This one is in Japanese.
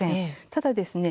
ただですね